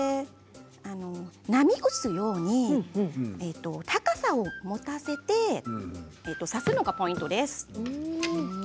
波打つように高さを持たせて刺すのがポイントです。